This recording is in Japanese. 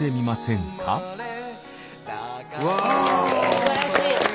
すばらしい！